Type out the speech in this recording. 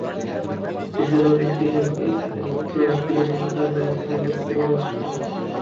দেশের অনেক বিনিয়োগকারী তাঁদের অর্থ বিদেশে পাচার করছেন এমন খবরও শোনা যাচ্ছে।